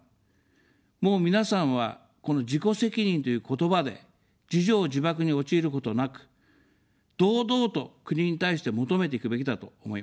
もう皆さんは、この自己責任という言葉で自縄自縛に陥ることなく、堂々と国に対して求めていくべきだと思います。